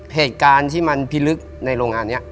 เหตุการณ์ที่มันพิลึกในโรงงานนี้